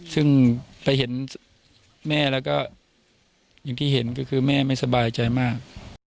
ซึ่งไปเห็นแม่แล้วก็อย่างที่เห็นก็คือแม่ไม่สบายใจมาก